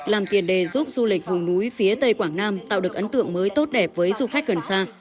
làm tiền đề giúp du lịch vùng núi phía tây quảng nam tạo được ấn tượng mới tốt đẹp với du khách gần xa